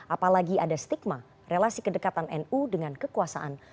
apalagi ada stigma relasi kedekatan nu dengan kekuasaan